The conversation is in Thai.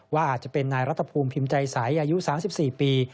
ว่าอาจจะเป็นนายรัฐภูมิพิมพ์ใจใสอายุ๓๔ปี